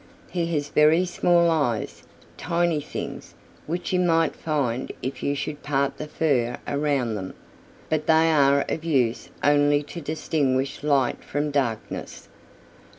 "He has very small eyes, tiny things, which you might find if you should part the fur around them, but they are of use only to distinguish light from darkness.